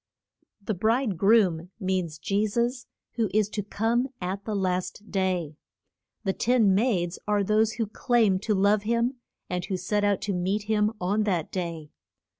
The bride groom means Je sus, who is to come at the last day. The ten maids are those who claim to love him, and who set out to meet him on that day.